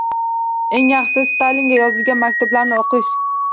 Eng yaxshisi, Stalinga yozilgan maktublarni o’qish.